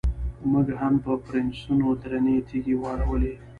موږ هم پرنسونو درنې تیږې واړولې.